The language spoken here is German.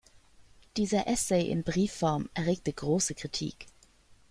Dieser Essay in Briefform erregte große Kritik.